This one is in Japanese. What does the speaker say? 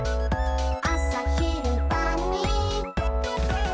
「あさ、ひる、ばん、に」